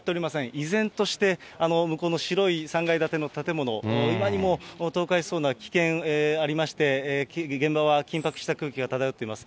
依然として向こうの白い３階建ての建物、今にも倒壊しそうな危険ありまして、現場は緊迫した空気が漂っています。